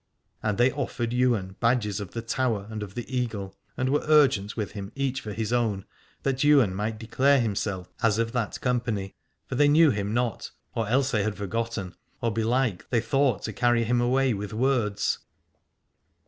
And they offered Ywain badges, of the Tower and of the Eagle, and were urgent with him each for his own, that Ywain might declare him self as of that company : for they knew him not, or else they had forgotten, or belike they thought to carry him away with words.